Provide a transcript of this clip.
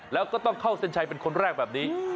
แล้วก็ต้องเข้าเซ็นชัยเป็นคนแรกแบบนี้